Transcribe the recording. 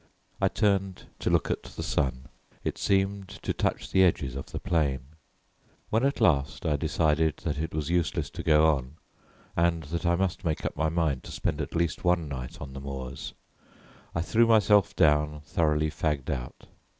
I turned to look at the sun. It seemed to touch the edges of the plain. When at last I decided that it was useless to go on, and that I must make up my mind to spend at least one night on the moors, I threw myself down thoroughly fagged out.